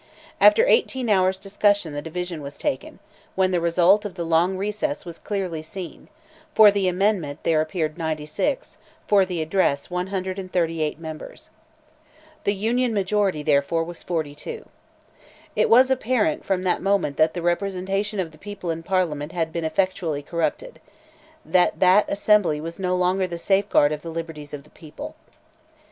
After eighteen hours' discussion the division was taken, when the result of the long recess was clearly seen; for the amendment there appeared 96, for the address 138 members. The Union majority, therefore, was 42. It was apparent from that moment that the representation of the people in Parliament had been effectually corrupted; that that assembly was no longer the safeguard of the liberties of the people.